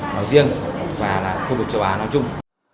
nói riêng và khu vực châu á nói chung